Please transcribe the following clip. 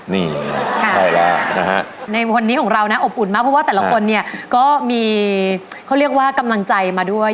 นี่ใช่แล้วนะฮะในวันนี้ของเรานะอบอุ่นมากเพราะว่าแต่ละคนเนี่ยก็มีเขาเรียกว่ากำลังใจมาด้วย